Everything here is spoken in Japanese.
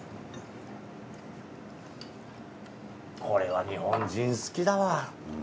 これは日本人好きだわ。